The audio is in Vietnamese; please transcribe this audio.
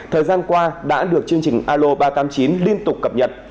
thời gian qua đã được chương trình alo ba trăm tám mươi chín liên tục cập nhật